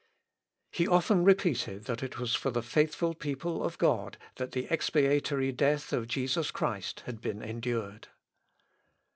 " He often repeated that it was for the faithful people of God, that the expiatory death of Jesus Christ had been endured.